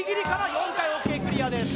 ４回ＯＫクリアです